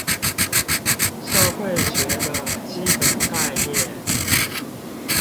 社會學的基本概念